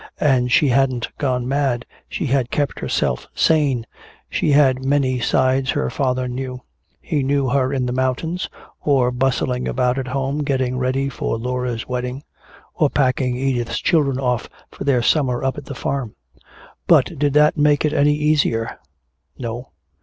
And she hadn't gone mad, she had kept herself sane, she had many sides her father knew. He knew her in the mountains, or bustling about at home getting ready for Laura's wedding, or packing Edith's children off for their summer up at the farm. But did that make it any easier? No.